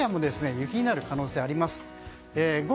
このエリアも雪になる可能性があります。